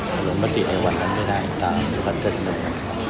หลงประติกในวันนั้นจะได้ตามความเทิดขึ้น